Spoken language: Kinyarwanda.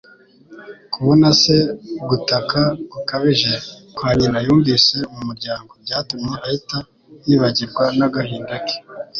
Kubona se, gutaka gukabije kwa nyina yumvise mu muryango, byatumye ahita yibagirwa n'agahinda ke.